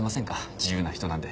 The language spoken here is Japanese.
自由な人なんで。